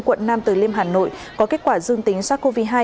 quận nam từ liêm hà nội có kết quả dương tính sars cov hai